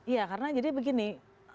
iya karena jadi begini